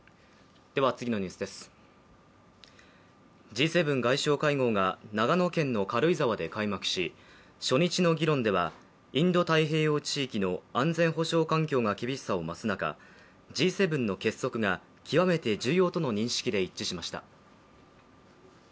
Ｇ７外相会合が長野県の軽井沢で開幕し初日の議論ではインド太平洋地域の安全保障環境が厳しさを増す中Ｂ７の結束が極めて重要との認識で一致しました。